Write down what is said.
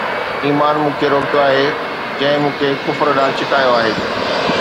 ايمان مون کي روڪيو آهي، جنهن مون کي ڪفر ڏانهن ڇڪايو آهي